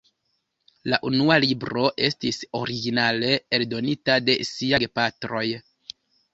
La unua libro estis originale eldonita de sia gepatroj.